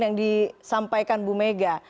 yang disampaikan ibu megawati